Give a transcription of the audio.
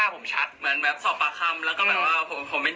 เป็นคำเรียกว่าจำเลย